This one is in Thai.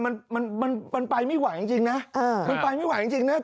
มันไปไม่ไหวจริงจริงนะ